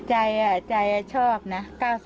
แต่ใจชอบนะ๙๒๔